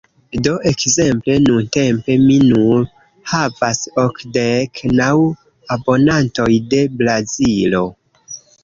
Do ekzemple nuntempe mi nur havas okdek naŭ abonantoj de Brazilo.